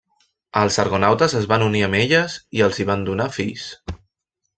Els argonautes es van unir amb elles i els hi van donar fills.